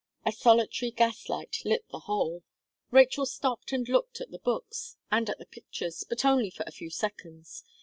A solitary gas light lit the whole. Rachel stopped and looked at the books, and at the pictures, but only for a few seconds.